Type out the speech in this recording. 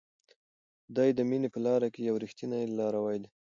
دی د مینې په لار کې یو ریښتینی لاروی دی.